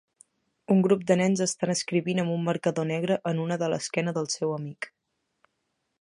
Un grup de nens estan escrivint amb un marcador negre en una de l'esquena del seu amic.